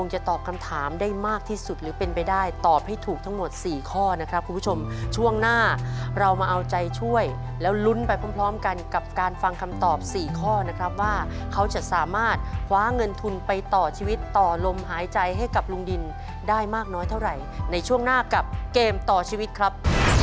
จะตอบคำถามได้มากที่สุดหรือเป็นไปได้ตอบให้ถูกทั้งหมด๔ข้อนะครับคุณผู้ชมช่วงหน้าเรามาเอาใจช่วยแล้วลุ้นไปพร้อมกันกับการฟังคำตอบสี่ข้อนะครับว่าเขาจะสามารถคว้าเงินทุนไปต่อชีวิตต่อลมหายใจให้กับลุงดินได้มากน้อยเท่าไหร่ในช่วงหน้ากับเกมต่อชีวิตครับ